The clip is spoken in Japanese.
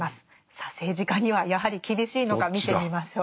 さあ政治家にはやはり厳しいのか見てみましょう。